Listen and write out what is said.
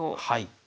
はい。